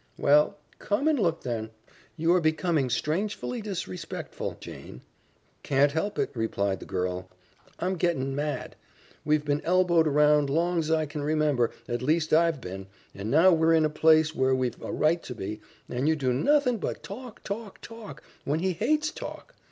"Well, come and look then." "You are becoming strangely disrespectful, Jane." "Can't help it," replied the girl, "I'm gettin' mad. We've been elbowed around long's I can remember, at least I've been, and now we're in a place where we've a right to be, and you do nothin' but talk, talk, talk, when he hates talk.